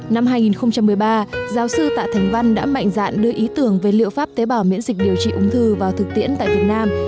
năm hai nghìn một mươi ba giáo sư tạ thành văn đã mạnh dạn đưa ý tưởng về liệu pháp tế bào miễn dịch điều trị ung thư vào thực tiễn tại việt nam